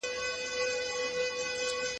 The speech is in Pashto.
څه ډول ټیکنالوژي محرمیت ګواښي؟